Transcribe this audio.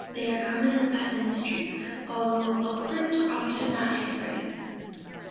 They are common in the pet industry, although lovebirds are often not hand-raised.